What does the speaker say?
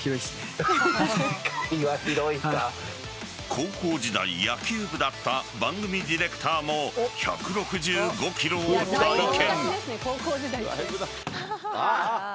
高校時代、野球部だった番組ディレクターも１６５キロを体験。